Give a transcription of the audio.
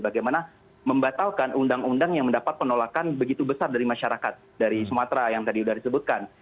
bagaimana membatalkan undang undang yang mendapat penolakan begitu besar dari masyarakat dari sumatera yang tadi sudah disebutkan